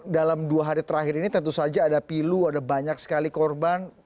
dalam dua hari terakhir ini tentu saja ada pilu ada banyak sekali korban